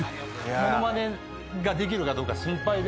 モノマネができるかどうか心配で。